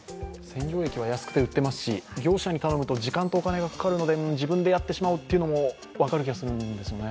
洗浄液は安くて売ってますし、業者に頼むと時間とお金がかかるので自分でやってしまおうというのも分かる気がするんですよね。